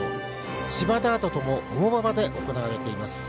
芝、ダートとも重馬場で行われています。